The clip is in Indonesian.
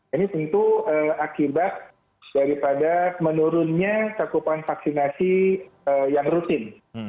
ini tentu akibat daripada menurunnya cakupan vaksinasi yang rutin